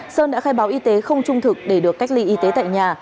sơn đã khai báo y tế không trung thực để được cách ly y tế tại nhà